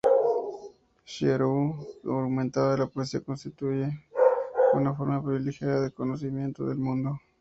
Xirau argumentaba que la poesía constituye una forma privilegiada de conocimiento del mundo.